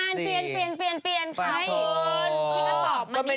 ขอโทษก็ไม่ได้มีอะไรเป็นเป็นสี